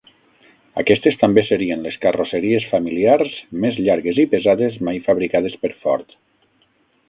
Aquestes també serien les carrosseries familiars més llargues i pesades mai fabricades per Ford.